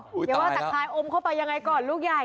โอ้เดี๋ยวว่าตักคลายอมเข้าไปยังไงก่อนลูกใหญ่